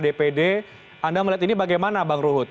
dpd anda melihat ini bagaimana bang ruhut